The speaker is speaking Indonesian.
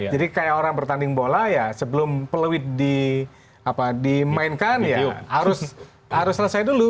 jadi kayak orang bertanding bola ya sebelum peluit dimainkan ya harus selesai dulu